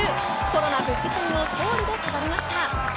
コロナ復帰戦を勝利で飾りました。